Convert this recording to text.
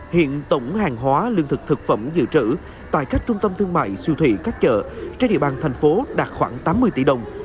hiện tổng hàng hóa lương thực thực phẩm dự trữ tại các trung tâm thương mại siêu thị các chợ trên địa bàn thành phố đạt khoảng tám mươi tỷ đồng